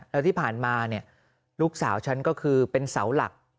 แล้วที่ผ่านมาเนี่ยลูกสาวฉันก็คือเป็นเสาหลัก